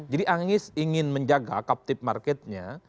jadi anies ingin menjaga captive marketnya